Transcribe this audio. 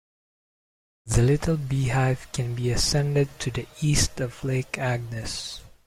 The Little Beehive can be ascended to the east of Lake Agnes.